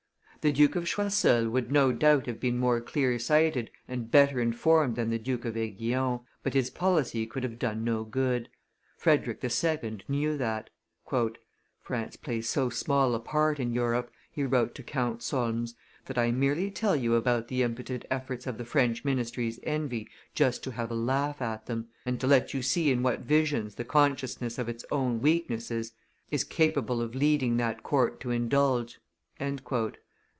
The Duke of Choiseul would no doubt have been more clear sighted and better informed than the Duke of Aiguillon, but his policy could have done no good. Frederick II. knew that. "France plays so small a part in Europe," he wrote to Count Solms, "that I merely tell you about the impotent efforts of the French ministry's envy just to have a laugh at them, and to let you see in what visions the consciousness of its own weaknesses is capable of leading that court to indulge."